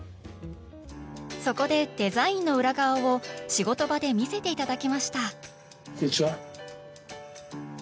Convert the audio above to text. そこでデザインの裏側を仕事場で見せて頂きましたこんにちは。